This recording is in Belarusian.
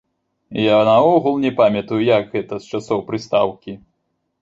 Я наогул не памятаю, як гэта, з часоў прыстаўкі.